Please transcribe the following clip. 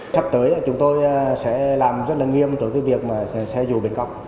sắp tới là chúng tôi sẽ làm rất là nghiêm trọng cái việc mà xe dù bình cộng